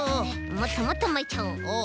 もっともっとまいちゃおう。